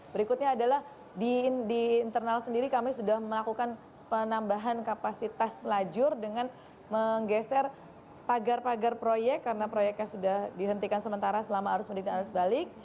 berikutnya adalah di internal sendiri kami sudah melakukan penambahan kapasitas lajur dengan menggeser pagar pagar proyek karena proyeknya sudah dihentikan sementara selama arus mudik dan arus balik